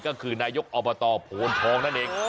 ก็คือนายกอบตโพนทองนั่นเอง